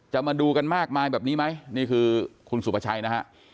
มาดูกันมากมายแบบนี้ไหมนี่คือคุณสุภาชัยนะฮะ